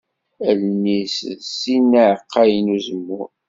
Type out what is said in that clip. Allen-is d sin n yiɛeqqayen n uzemmur.